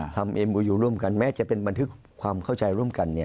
เอ็มบูยูร่วมกันแม้จะเป็นบันทึกความเข้าใจร่วมกัน